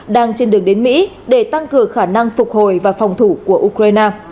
đang trên đường đến mỹ để tăng cường khả năng phục hồi và phòng thủ của ukraine